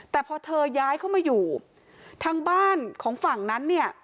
แต่พอเธอย้ายเข้ามาอยู่ทางบ้านของฝั่งนั้นเนี่ย